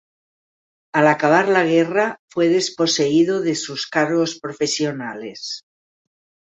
Al acabar la guerra fue desposeído de sus cargos profesionales.